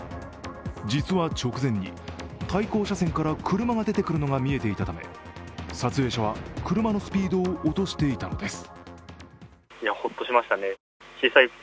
実は、直前に対向車線から車が出てくるのが見えていたため、撮影者は、車のスピードを落としていたのです。